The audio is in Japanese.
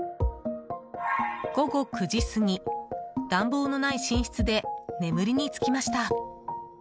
午後９時過ぎ、暖房のない寝室で眠りにつきました。